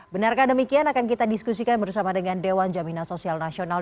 benarkah demikian akan kita diskusikan bersama dengan dewan jaminan sosial nasional